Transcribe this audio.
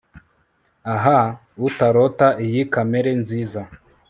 ah! utarota iyi kamere nziza